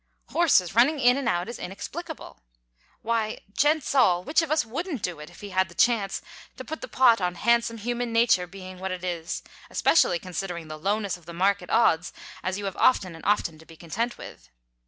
Horses running in and out is inexplicable! Why, gents all, which of us wouldn't do it, if he had the chance to put the pot on handsome, human nature being what it is, especially considering the lowness of the market odds as you have often and often to be content with.